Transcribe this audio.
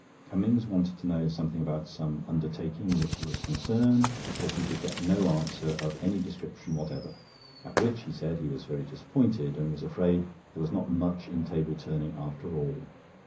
Cummings wanted to know something about some undertaking in which he was concerned, but he could get no answer of any description whatever—at which he said he was very disappointed and was afraid there was not much in table turning after all.